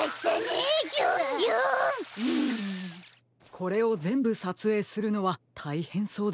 これをぜんぶさつえいするのはたいへんそうですね。